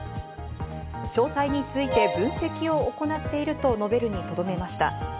詳細について分析を行っていると述べるにとどめました。